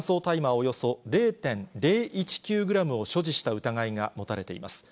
およそ０．０１９グラムを所持した疑いが持たれています。